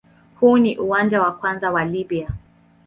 Huu ni uwanja wa kwanza wa Libya.